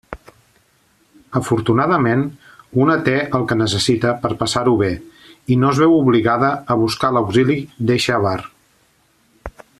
Afortunadament, una té el que necessita per a passar-ho bé i no es veu obligada a buscar l'auxili d'eixe avar.